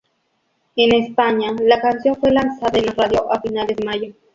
En España, la canción fue lanzada en las radio a finales de mayo.